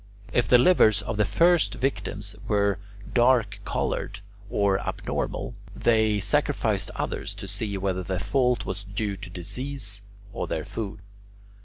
If the livers of the first victims were dark coloured or abnormal, they sacrificed others, to see whether the fault was due to disease or their food.